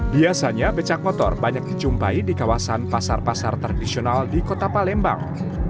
biasanya becak motor banyak dicumpai di kawasan pasar pasar tradisional di kota palembang